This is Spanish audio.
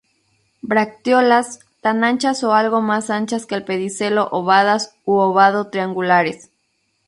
Bracteolas tan anchas o algo más anchas que el pedicelo ovadas u ovado-triángulares.